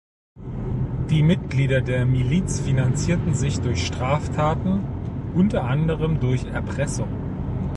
Die Mitglieder der Miliz finanzierten sich durch Straftaten, unter anderem durch Erpressung.